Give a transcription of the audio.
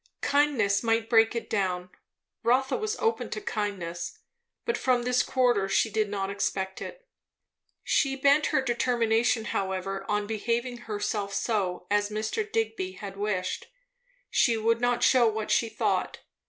Kindness might break it down; Rotha was open to kindness; but from this quarter she did not expect it. She bent her determination however on behaving herself so as Mr. Digby had wished. She would not shew what she thought.